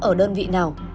ở đơn vị nào